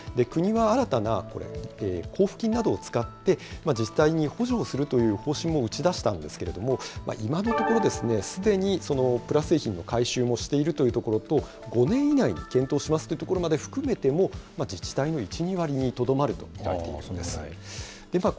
国は新たな交付金などを使って、自治体に補助をするという方針を打ち出したんですけれども、今のところですね、すでにプラ製品の回収もしているというところと、５年以内に検討しますというところまで含めても、自治体の１、２割にとどまると見られているんですね。